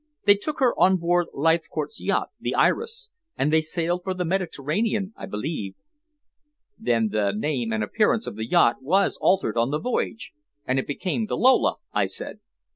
They took her on board Leithcourt's yacht, the Iris, and they sailed for the Mediterranean, I believe." "Then the name and appearance of the yacht was altered on the voyage, and it became the Lola," I said.